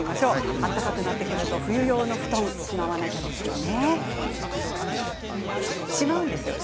暖かくなってくると冬用の布団しまわなきゃですよね。